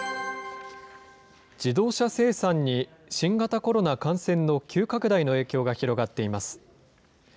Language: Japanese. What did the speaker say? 自動車生産に、新型コロナ感染の急拡大の影響が広がっています。